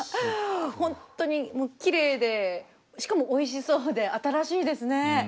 本当にきれいでしかもおいしそうで新しいですね。